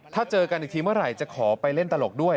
ถ้าเจอกันอีกทีเมื่อไหร่จะขอไปเล่นตลกด้วย